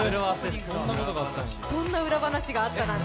そんな裏話があったなんて。